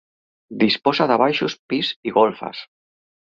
Disposa de baixos, pis i golfes.